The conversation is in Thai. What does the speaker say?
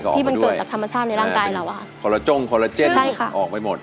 ที่เป็นประโยชน์เหมือนกันก็ออกไปด้วยคอลลาจ้งคอลลาเจสออกไปหมด